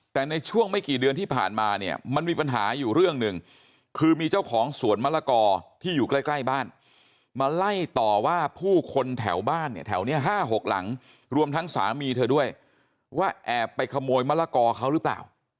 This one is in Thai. แต่ในช่วงไม่กี่เดือนที่ผ่านมาเนี่ยมันมีปัญหาอยู่เรื่องหนึ่งคือมีเจ้าของสวนมะละกอที่อยู่ใกล้ใกล้บ้านมาไล่ต่อว่าผู้คนแถวบ้านเนี่ยแถวนี้๕๖หลังรวมทั้งสามีเธอด้วยว่าแอบไปขโมยมะละกอเขาหรือเปล่า